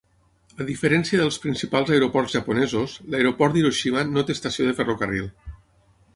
A diferència dels principals aeroports japonesos, l'aeroport d'Hiroshima no té estació de ferrocarril.